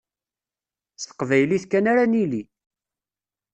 S teqbaylit kan ara nili.